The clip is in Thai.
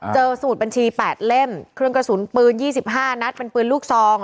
สมุดบัญชี๘เล่มเครื่องกระสุนปืน๒๕นัดเป็นปืนลูกซอง